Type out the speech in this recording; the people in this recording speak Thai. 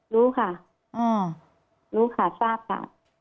รู้ค่ะรู้ค่ะทราบค่ะ